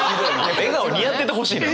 笑顔似合っててほしいのよ！